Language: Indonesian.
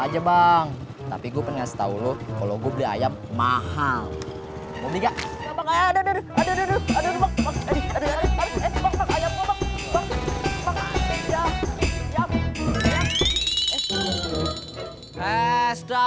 aja bang tapi gue pengen tahu lu kalau gue beli ayam mahal mau dikepang aduh aduh aduh aduh aduh